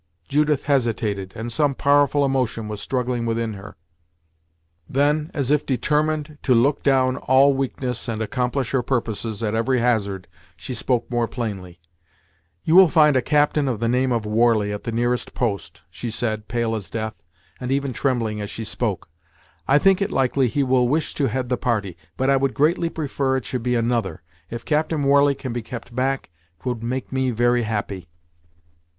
Judith hesitated, and some powerful emotion was struggling within her. Then, as if determined to look down all weaknesses, and accomplish her purposes at every hazard, she spoke more plainly. "You will find a captain of the name of Warley at the nearest post," she said, pale as death, and even trembling as she spoke; "I think it likely he will wish to head the party, but I would greatly prefer it should be another. If Captain Warley can be kept back, 't would make me very happy!"